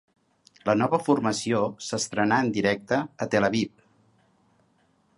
La nova formació s'estrenà en directe a Tel Aviv.